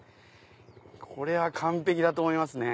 これは完璧だと思いますね。